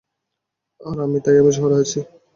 আর তাই আমি শহরে আছি।